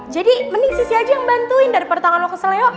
jadi mending sissy aja yang bantuin daripada tangan lo kesel ya